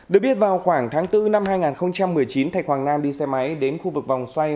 được biết vào khoảng tháng bốn năm hai nghìn một mươi chín thạch hoàng nam đi xe máy đến khu vực vòng xoay